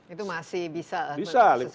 itu masih bisa sesuai dengan regulasi